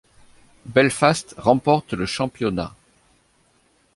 Belfast remporte le championnat.